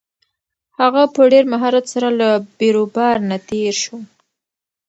هغه په ډېر مهارت سره له بېروبار نه تېر شو.